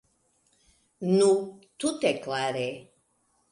Nu, tute klare.